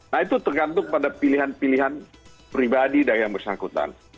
nah itu tergantung pada pilihan pilihan pribadi dari yang bersangkutan